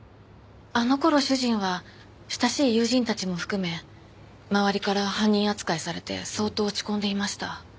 あの頃主人は親しい友人たちも含め周りから犯人扱いされて相当落ち込んでいました。